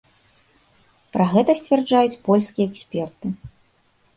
Пра гэта сцвярджаюць польскія эксперты.